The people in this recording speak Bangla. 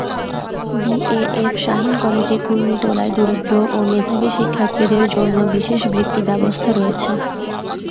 B A F Shaheen college কুর্মিটোলায় দরিদ্র ও মেধাবী শিক্ষার্থীদের জন্য বিশেষ বৃত্তি ব্যবস্থা রয়েছে।